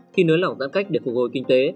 khi nới lỏng giãn cách để phục hồi kinh tế